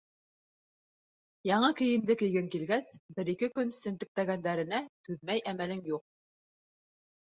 Яңы кейемде кейгең килгәс, бер-ике көн семтектә- гәндәренә түҙмәй әмәлең юҡ.